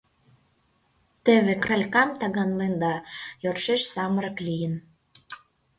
Теве Кралькам таганленда, — йӧршеш самырык лийын.